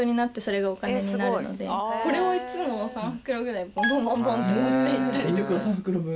これをいつも３袋くらいボンボンボンボンって持って行ったりとか。